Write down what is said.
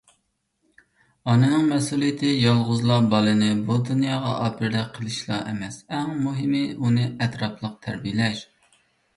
ئانىنىڭ مەسئۇلىيىتى يالغۇزلا بالىنى بۇ دۇنياغا ئاپىرىدە قىلىشلا ئەمەس، ئەڭ مۇھىمى ئۇنى ئەتراپلىق تەربىيەلەش.